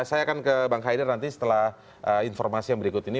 saya akan ke bang haider nanti setelah informasi yang berikut ini